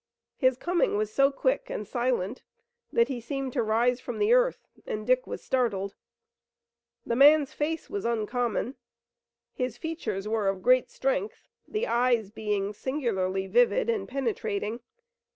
His coming was so quick and silent that he seemed to rise from the earth, and Dick was startled. The man's face was uncommon. His features were of great strength, the eyes being singularly vivid and penetrating.